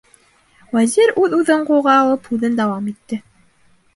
Вәзир үҙ-үҙен ҡулға алып һүҙен дауам итте: